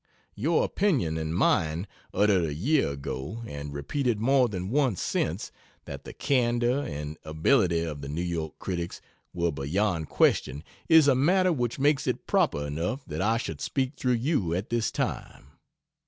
Your opinion and mine, uttered a year ago, and repeated more than once since, that the candor and ability of the New York critics were beyond question, is a matter which makes it proper enough that I should speak through you at this time.